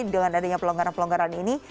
jadi dengan adanya pelonggaran pelonggaran ini